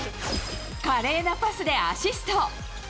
華麗なパスでアシスト。